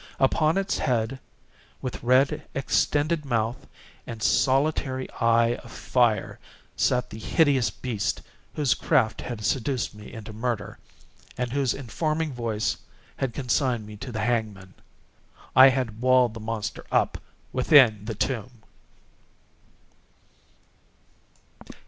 Upon its head, with red extended mouth and solitary eye of fire, sat the hideous beast whose craft had seduced me into murder, and whose informing voice had consigned me to the hangman. I had walled the monster up within the tomb!